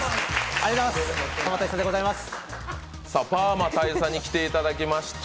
パーマ大佐に来ていただきました。